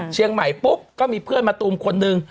เชียงใหม่ปุ๊บก็มีเพื่อนมาตูมคนหนึ่ง